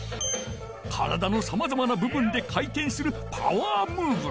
体のさまざまなぶぶんで回てんする「パワームーブ」。